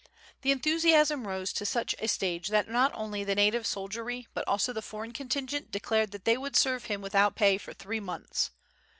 The enthusiasm rose to such a stage tRat not only the native soldiery but also the foreign contingent declared that they would serve him without pay for three months.